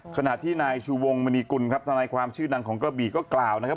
ขณะที่นายชูวงมณีกุลครับทนายความชื่อดังของกระบีก็กล่าวนะครับ